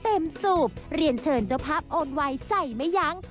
เต็มสูบเรียนเชิญเจ้าพับโอนวายใส่มั้ยยัง